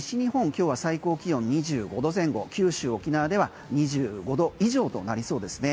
今日は最高気温２５度前後九州沖縄では２５度以上となりそうですね。